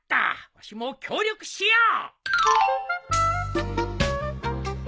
わしも協力しよう。